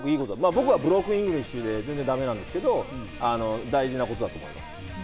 僕はブロークンイングリッシュで全然だめなんだけど、大事なことだと思います。